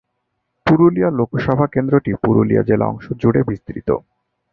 পুরুলিয়া লোকসভা কেন্দ্রটি পুরুলিয়া জেলা অংশ জুড়ে বিস্তৃত।